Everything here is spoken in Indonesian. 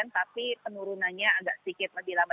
tapi penurunannya agak sedikit lebih lama